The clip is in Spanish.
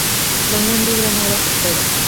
La unión libre no era aceptada.